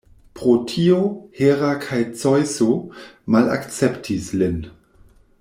Pro tio, Hera kaj Zeŭso malakceptis lin.